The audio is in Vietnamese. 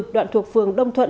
đoạn thuộc phường đông thuận